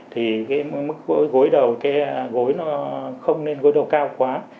thì cái mức gối đầu cái gối nó không nên gối đầu cao quá